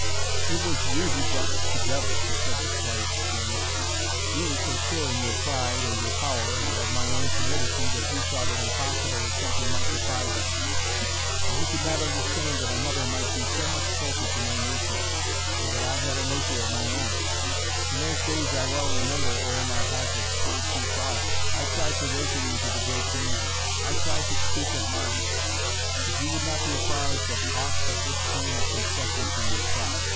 "It was you who brought us together!" she said with quiet scorn. "You were so sure in your pride and your power and of my own timidity that you thought it impossible that something might defy them. And you could not understand that another might be so much closer to my nature, or that I had a nature of my own. In those days I well remember, ere my heart had strayed too far, I tried to waken you to the great danger. I tried to speak of mine. But you would not be apprised of aught that would seem a concession to your pride.